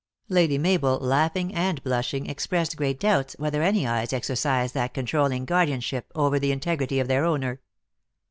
Lady Mabel, laughing and blushing, expressed great doubts whether any eyes exercised that controlling guardianship over the integrity of their owner.